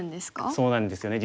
そうなんですよね